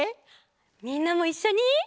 みんなもいっしょに！